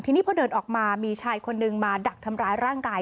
ทีนี้พอเดินออกมามีชายคนนึงมาดักทำร้ายร่างกาย